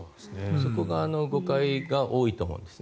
そこが誤解が多いと思うんです。